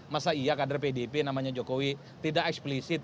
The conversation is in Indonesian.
masa iya kader pdip namanya jokowi tidak eksplisit